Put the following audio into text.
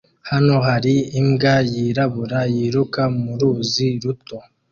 Hano hari imbwa yirabura yiruka mu ruzi ruto